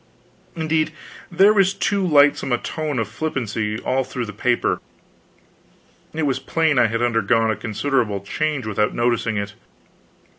Indeed, there was too lightsome a tone of flippancy all through the paper. It was plain I had undergone a considerable change without noticing it.